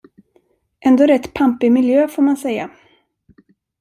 Ändå rätt pampig miljö, får man säga.